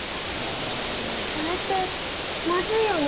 それってまずいよね！？